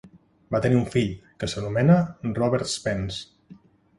Va tenir un fill, que s'anomena Robert Spence.